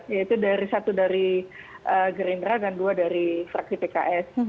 yaitu satu dari gerindra dan dua dari fraksi pks